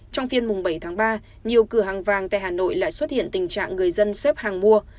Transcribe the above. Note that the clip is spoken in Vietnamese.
trong phiên bảy tháng ba nhiều cửa hàng vàng tại hà nội lại xuất hiện tình trạng người dân xếp hàng mua